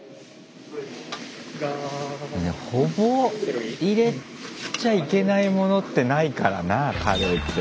ほぼ入れちゃいけないものってないからなカレーって。